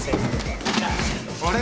あれ？